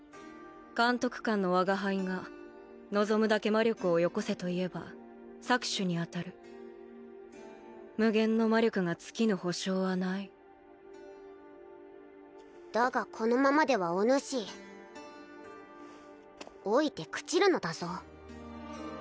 監督官の我が輩が望むだけ魔力をよこせといえば搾取に当たる無限の魔力が尽きぬ保証はないだがこのままではおぬし老いて朽ちるのだぞ